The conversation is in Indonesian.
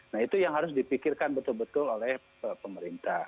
nah itu yang harus dipikirkan betul betul oleh pemerintah